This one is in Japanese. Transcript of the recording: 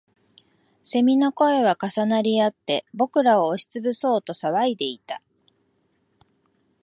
蝉の声は重なりあって、僕らを押しつぶそうと騒いでいた